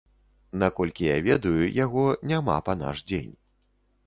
Наколькі я ведаю, яго няма па наш дзень.